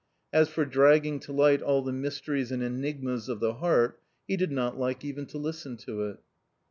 As for dragging to light all the mysteries and enigmas of the heart, he did not like even to listen to it.